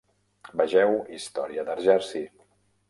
Vegeu Història de Jersey.